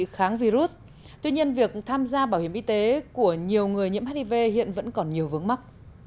kháng virus tuy nhiên việc tham gia bảo hiểm y tế của nhiều người nhiễm hiv hiện vẫn còn nhiều vướng mắt